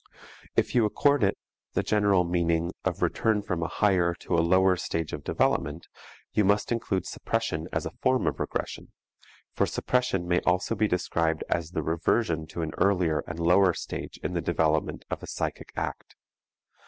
If you accord it the general meaning of return from a higher to a lower stage of development you must include suppression as a form of regression, for suppression may also be described as the reversion to an earlier and lower stage in the development of a psychic act.